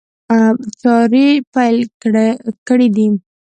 چاري پيل کړي دي.